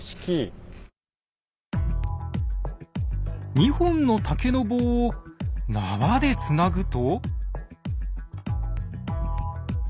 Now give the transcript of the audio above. ２本の竹の棒を縄でつなぐと。